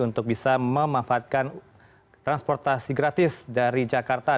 untuk bisa memanfaatkan transportasi gratis dari jakarta